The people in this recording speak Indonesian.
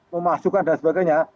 memasukkan dan sebagainya